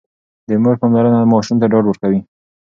د مور پاملرنه ماشوم ته ډاډ ورکوي.